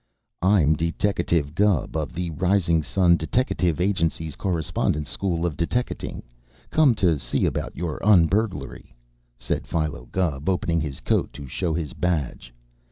"I'm Deteckative Gubb, of the Rising Sun Deteckative Agency's Correspondence School of Deteckating, come to see about your un burglary," said Philo Gubb, opening his coat to show his badge.